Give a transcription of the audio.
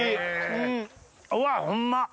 うわホンマ。